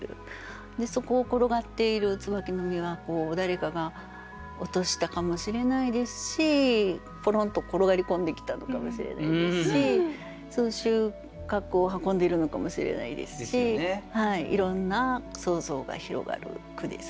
そこを転がっている椿の実が誰かが落としたかもしれないですしぽろんと転がり込んできたのかもしれないですし収穫を運んでいるのかもしれないですしいろんな想像が広がる句です。